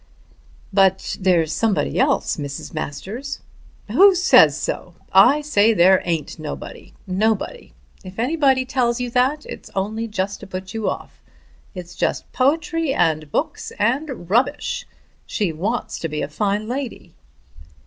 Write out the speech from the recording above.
"But there's somebody else, Mrs. Masters." "Who says so? I say there ain't nobody; nobody. If anybody tells you that it's only just to put you off. It's just poetry and books and rubbish. She wants to be a fine lady."